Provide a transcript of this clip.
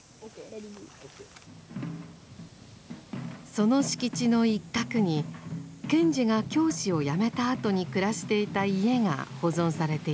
その敷地の一角に賢治が教師をやめたあとに暮らしていた家が保存されています。